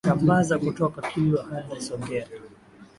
Aliisambaza kutoka Kilwa hadi Songea